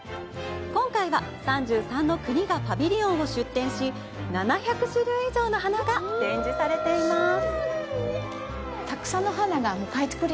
今回は３３の国がパビリオンを出展し７００種類以上の花が展示されています。